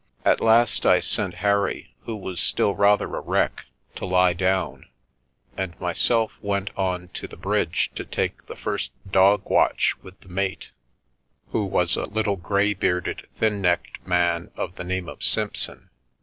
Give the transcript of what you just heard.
At last I sent Harry, who was still rather a wreck, to lie down, and myself went on to the bridge to take the first dog watch with the mate, who was a little grey bearded, thin necked man of the name of Simpson.